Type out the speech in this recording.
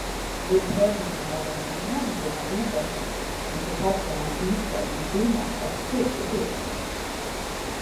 Vid prövningen av om en förhandling är obehövlig måste parternas inställning tillmätas stor betydelse.